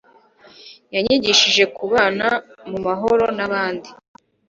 Yanyigishije kubana mumahoro na bandi